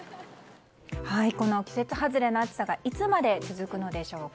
この季節外れの暑さはいつまで続くのでしょうか。